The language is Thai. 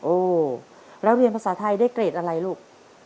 โอ้แล้วเรียนภาษาไทยได้เกรดอะไรลูก